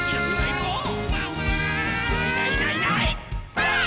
ばあっ！